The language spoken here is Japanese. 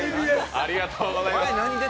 ありがとうございます。